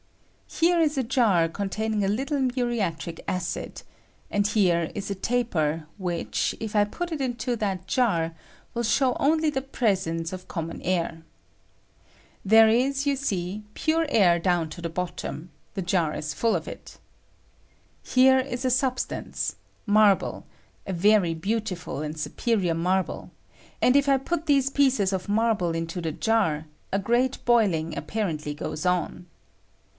Here ia ajar containing a httle muriatic acid, and here is a taper which, if I put it into that jar, will show only the pres 146 CARBONIC ACID FEOM OTHER SOURCES, enoe of common air. There is, you see, pure air down to tLe bottom ; the jar is full of it. Here is a substance — niarble(") — a very beau tiful and superior marble; and if I put these piecesof marble into the jar, a great boiling ap parently goes on.